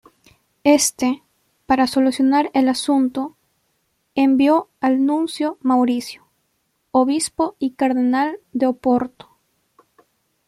Este, para solucionar el asunto, envió al nuncio Mauricio, obispo y cardenal de Oporto.